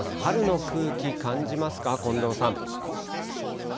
春の空気、感じますか、近藤さん。